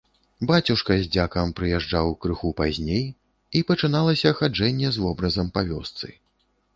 Бацюшка з дзякам прыязджаў крыху пазней, і пачыналася хаджэнне з вобразам па вёсцы.